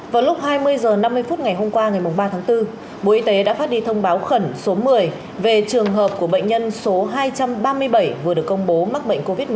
vào lúc hai mươi h năm mươi phút ngày hôm qua ngày ba tháng bốn bộ y tế đã phát đi thông báo khẩn số một mươi về trường hợp của bệnh nhân số hai trăm ba mươi bảy vừa được công bố mắc bệnh covid một mươi chín